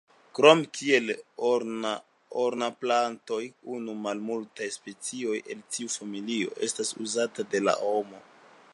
Krom kiel ornamplantoj nu malmultaj specioj el tiu familio estas uzataj de la homo.